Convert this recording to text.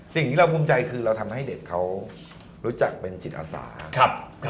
สิ่งที่เราภูมิใจคือเราทำให้เด็กเขารู้จักเป็นจิตอาสา